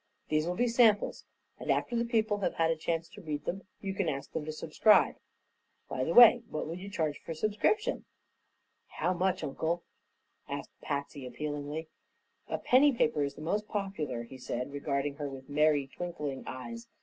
These will be samples, and after the people have had a chance to read them you can ask them to subscribe. By the way, what will you charge for subscription?" "How much, Uncle?" asked Patsy, appealingly. "A penny paper is the most popular," he said, regarding her with merry, twinkling eyes.